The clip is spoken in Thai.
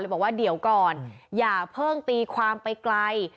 บอกว่าเดี๋ยวก่อนอย่าเพิ่งตีความไปไกล